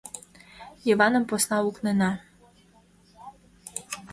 Йываным посна лукнена...